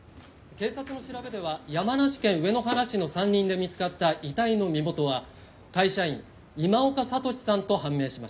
「警察の調べでは山梨県上野原市の山林で見つかった遺体の身元は会社員今岡智司さんと判明しました」